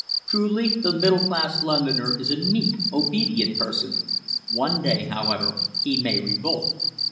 Truly the middle class Londoner is a meek, obedient person. One day, however, he may revolt.